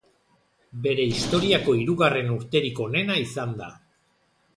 Bere historiako hirugarren urterik onena izan da.